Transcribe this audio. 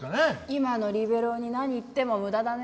今のリベロウに何言っても無駄だね。